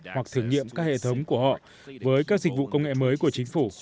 hoặc thử nghiệm các hệ thống của họ với các dịch vụ công nghệ mới của chính phủ